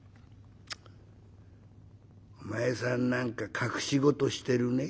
お前さん何か隠し事してるね。